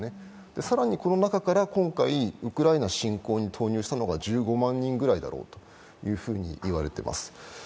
更にこの中から今回ウクライナ侵攻に投入したのが１５万人ぐらいだろうと言われています。